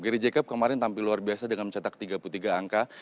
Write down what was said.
gary jacob kemarin tampil luar biasa dengan mencetak tiga puluh tiga angka